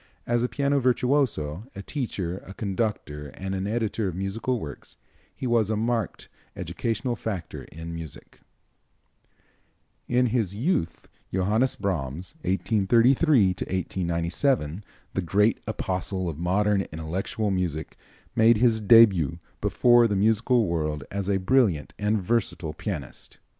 As a piano virtuoso, a teacher, a conductor and an editor of musical works, he was a marked educational factor in music. In his youth Johannes Brahms (1833 1897), the great apostle of modern intellectual music, made his début before the musical world as a brilliant and versatile pianist.